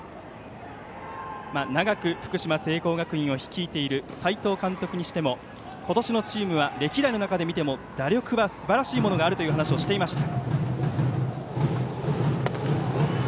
長く福島・聖光学院を率いている斎藤監督にしても今年のチームは歴代の中で見ても打力はすばらしいものがあるという話をしていました。